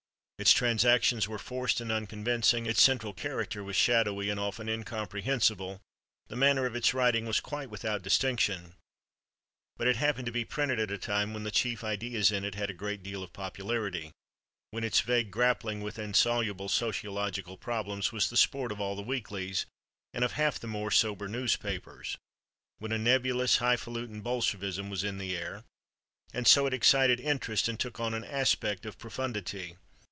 Its transactions were forced and unconvincing; its central character was shadowy and often incomprehensible; the manner of its writing was quite without distinction. But it happened to be printed at a time when the chief ideas in it had a great deal of popularity—when its vague grappling with insoluble sociological problems was the sport of all the weeklies and of half the more sober newspapers—when a nebulous, highfalutin Bolshevism was in the air—and so it excited interest and took on an aspect of profundity.